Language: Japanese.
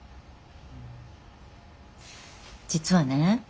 実はね